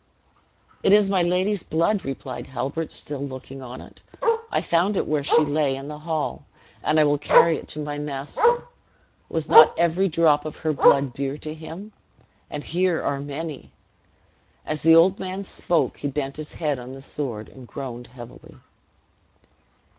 "It is my lady's blood," replied Halbert, still looking on it. "I found it where she lay, in the hall, and I will carry it to my master. Was not every drop of her blood dear to him? and here are many." As the old man spoke he bent his head on the sword, and groaned heavily.